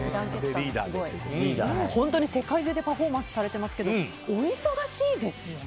本当に世界中でパフォーマンスされてますけどお忙しいですよね。